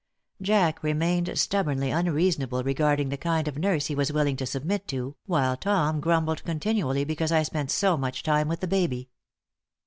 Jack remained stubbornly unreasonable regarding the kind of nurse he was willing to submit to, while Tom grumbled continually because I spent so much time with the baby.